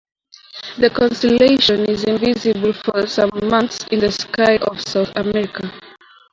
The constellation is invisible for some months in the sky of South America.